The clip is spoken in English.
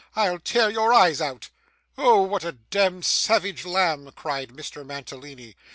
'I'll tear your eyes out!' 'Oh! What a demd savage lamb!' cried Mr. Mantalini.